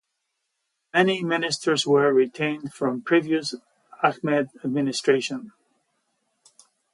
Many ministers were retained from the previous Ahmed administration.